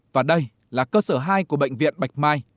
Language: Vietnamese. và đây là cơ sở hai của bệnh viện bạch mai